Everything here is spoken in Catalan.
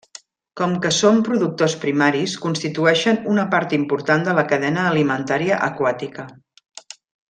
Com que són productors primaris, constitueixen una part important de la cadena alimentària aquàtica.